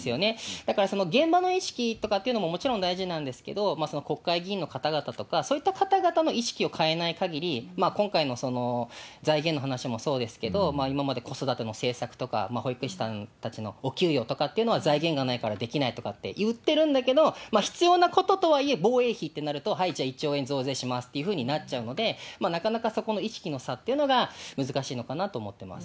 だから、現場の意識とかっていうのももちろん大事なんですけど、その国会議員の方々とか、そういった方々の意識を変えないかぎり、今回の財源の話もそうですけど、今まで子育ての政策とか、保育士さんたちのお給料とかっていうのは、財源がないからできないとかって言ってるんだけど、必要なこととはいえ、防衛費ってなると、はい、じゃあ、１兆円増税しますってなっちゃうので、なかなかそこの意識の差というのが難しいのかなと思っています。